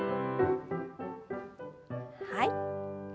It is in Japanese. はい。